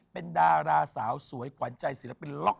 เป็นดาราสาวสวยขวัญใจศิลปินล็อก